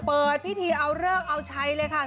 เปิดพิธีเอาเลิกเอาใช้เลยค่ะ